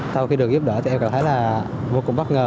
sau khi được giúp đỡ thì em cảm thấy là vô cùng bất ngờ